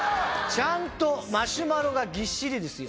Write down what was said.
ちゃんとマシュマロがぎっしりですよ。